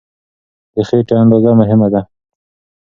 د خېټې اندازه مهمه ده.